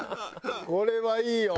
これはいいよ。